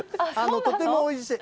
とてもおいしい。